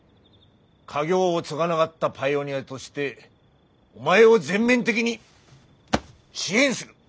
家業を継がながったパイオニアとしてお前を全面的に支援する！